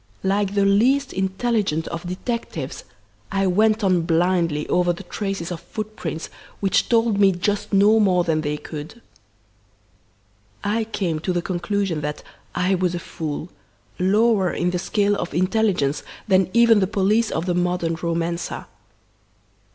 Like the least intelligent of detectives I went on blindly over the traces of footprints which told me just no more than they could. "I came to the conclusion that I was a fool, lower in the scale of intelligence than even the police of the modern romancer.